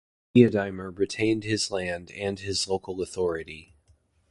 Theudimer retained his land and his local authority.